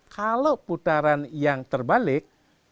kalau putaran yang terbalik